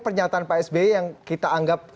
pernyataan pak sby yang kita anggap